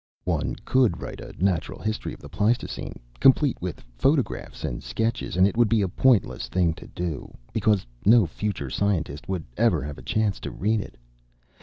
One could write a natural history of the Pleistocene, complete with photographs and sketches, and it would be a pointless thing to do, because no future scientist would ever have a chance to read it.